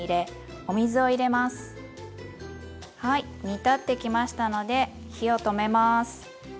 煮立ってきましたので火を止めます。